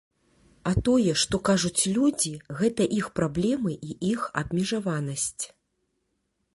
А тое, што кажуць людзі, гэта іх праблемы і іх абмежаванасць.